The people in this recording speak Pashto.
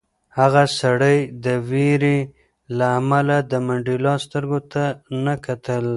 هغه سړي د وېرې له امله د منډېلا سترګو ته نه کتل.